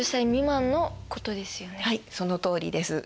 はいそのとおりです。